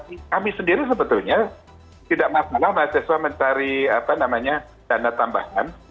kami sendiri sebetulnya tidak masalah mahasiswa mencari apa namanya dana tambahan